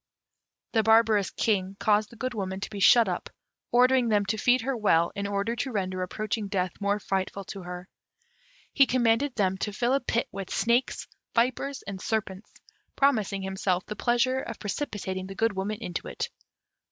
The barbarous King caused the Good Woman to be shut up, ordering them to feed her well, in order to render approaching death more frightful to her. He commanded them to fill a pit with snakes, vipers, and serpents, promising himself the pleasure of precipitating the Good Woman into it.